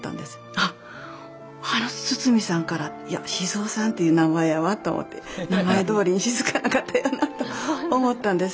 あっあの堤さんからいや雄さんっていう名前やわと思って名前どおりに静かな方やなと思ったんです。